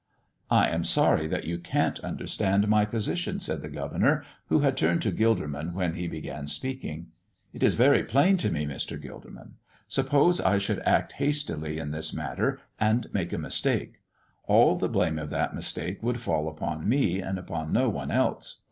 "I am sorry that you can't understand my position," said the governor, who had turned to Gilderman when he began speaking. "It is very plain to me, Mr. Gilderman. Suppose I should act hastily in this matter and make a mistake. All the blame of that mistake would fall upon me and upon no one else.